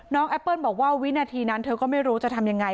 แอปเปิ้ลบอกว่าวินาทีนั้นเธอก็ไม่รู้จะทำยังไง